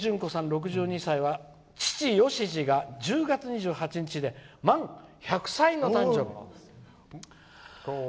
６２歳は「父よしじが１０月２８日で満１００歳の誕生日」。